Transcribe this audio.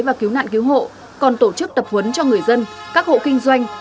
và cứu nạn cứu hộ còn tổ chức tập huấn cho người dân các hộ kinh doanh